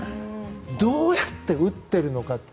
どうやって打っているのかと。